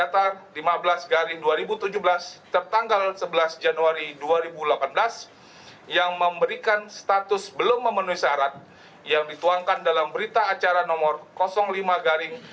satu apakah verifikasi faktual terhadap partai bulan bintang di kabupaten manokwari selatan provinsi papua barat benar telah dilaksanakan pada tanggal enam januari dua ribu delapan belas dan memberikan syarat status memenuhi syarat yang dituangkan dalam berita acara nomor dua pl satu satu ba garing sembilan ribu dua ratus sebelas garing kpu